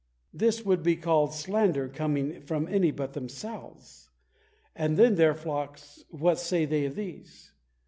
This would be called slander coming from any but themselves. And then their flocks — what say they of these